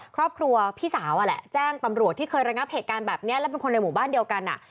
ครอบครัวพี่สาวแหละแจ้งตำรวจที่เคยระงับเหตุการณ์แบบนี้และเป็นคนในหมู่บ้านเดียวกัน